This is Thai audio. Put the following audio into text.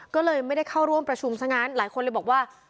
ก็เลยไม่ได้เข้าร่วมประชุมซะงั้นหลายคนเลยบอกว่า